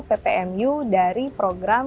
ppmu dari program